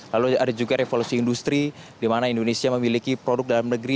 lalu ada juga revolusi industri di mana indonesia memiliki produk dalam negeri